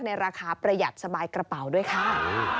ในราคาประหยัดสบายกระเป๋าด้วยค่ะ